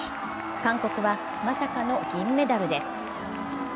韓国はまさかの銀メダルです。